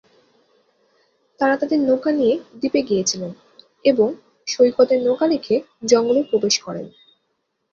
তারা তাদের নৌকা নিয়ে দ্বীপে গিয়েছিলেন এবং সৈকতে নৌকা রেখে জঙ্গলে প্রবেশ করেন।